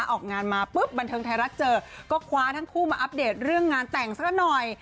ออกงานมาปุ๊บบันเทิงไทยรัฐเจอก็คว้าทั้งคู่มาอัปเดตเรื่องงานแต่งซะหน่อย